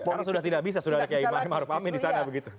karena sudah tidak bisa sudah ada kayak mahrub amin di sana begitu